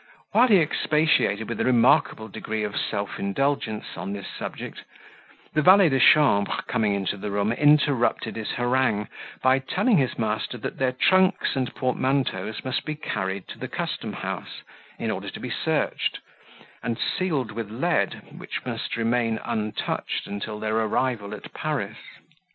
While he expatiated with a remarkable degree of self indulgence on this subject, the valet de chambre coming into the room interrupted his harangue by telling his master that their trunks and portmanteaus must be carried to the custom house, in order to be searched, and sealed with lead, which must remain untouched until their arrival at Paris.